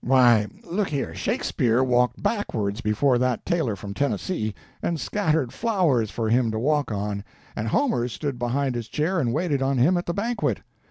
Why, look here—Shakespeare walked backwards before that tailor from Tennessee, and scattered flowers for him to walk on, and Homer stood behind his chair and waited on him at the banquet.